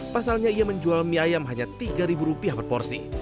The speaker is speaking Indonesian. pasalnya ia menjual mie ayam hanya rp tiga per porsi